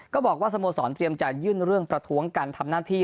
บอกว่าสโมสรเตรียมจะยื่นเรื่องประท้วงการทำหน้าที่